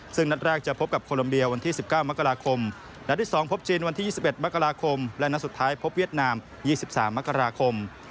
ซึ่งนัดแรกจะพบกับโคลมเบียวันที่๑๙มและที่สองพบจีนวันที่๒๑มและนัดสุดท้ายพบเวียดนาม๒๓ม